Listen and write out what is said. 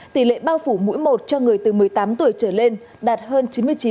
tỷ lệ bao phủ mỗi một cho người từ một mươi tám tuổi trở lên đạt hơn chín mươi chín